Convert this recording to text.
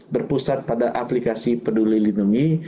berpusat pada aplikasi peduli lindungi